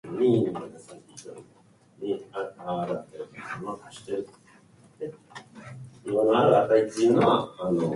どうしましたか？